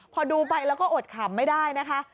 พอดูไปแล้วก็อดขำไม่ได้นะคะ